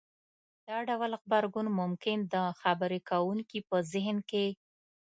دا ډول غبرګون ممکن د خبرې کوونکي په زهن کې